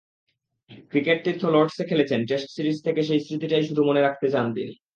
ক্রিকেট-তীর্থ লর্ডসে খেলেছেন—টেস্ট series থেকে সেই স্মৃতিটাই শুধু মনে রাখতে চান তিনি।